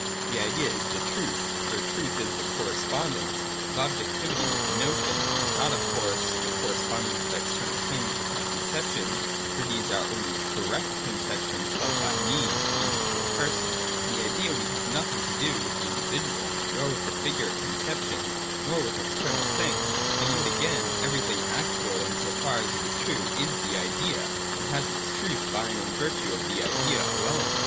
The Idea is the Truth : for Truth is the correspondence of objectivity with the notion :— not of course the correspondence of external things with my conceptions, — for these are only correct conceptions held by me, the individual person. In the idea we have nothing to do with the individual, nor with figurate con ceptions, nor with external things. And yet, again, everything actual, in so far as it is true, is the Idea, and has its truth by and in virtue of the Idea alone.